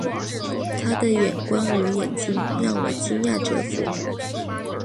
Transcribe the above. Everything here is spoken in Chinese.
他的眼光与远见让我惊讶折服